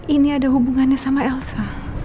ini ada hubungannya sama elsa